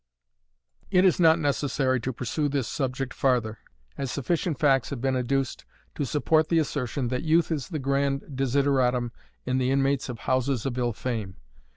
It is not necessary to pursue this subject farther, as sufficient facts have been adduced to support the assertion that youth is the grand desideratum in the inmates of houses of ill fame.